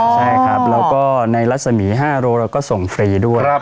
ใช่ครับแล้วก็ในรัศมี๕โลเราก็ส่งฟรีด้วย